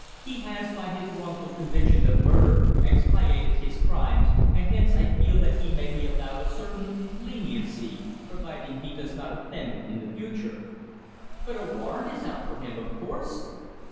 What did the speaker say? He has, by his wrongful conviction of murder, expiated his crimes, and hence I feel that he may be allowed a certain leniency, providing he does not offend in future." "But a warrant is out for him, of course?"